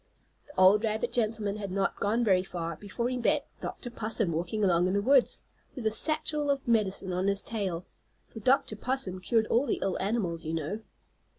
The old rabbit gentleman had not gone very far before he met Dr. Possum walking along in the woods, with his satchel of medicine on his tail, for Dr. Possum cured all the ill animals, you know.